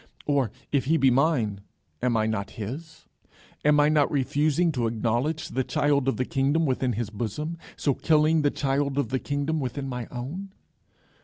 Or, if he be mine, am not I his? Am I not refusing to acknowledge the child of the kingdom within his bosom, so killing the child of the kingdom within my own?"